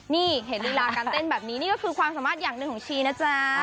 นี่เห็นลีลาการเต้นแบบนี้นี่ก็คือความสามารถอย่างหนึ่งของชีนะจ๊ะ